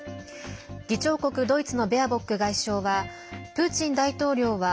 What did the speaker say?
議長国ドイツのベアボック外相はプーチン大統領は